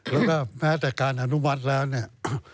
แล้วก็แม้แต่การอนุมัติแล้วเนี่ย